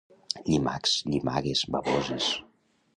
Llimacs - Llimagues - Bavoses